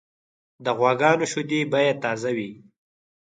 د غواګانو شیدې باید تازه وي.